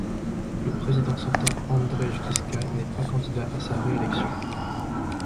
Le président sortant Andrej Kiska n'est pas candidat à sa réélection.